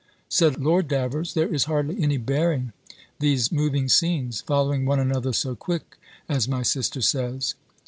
Said Lord Davers, "There is hardly any bearing these moving scenes, following one another so quick, as my sister says."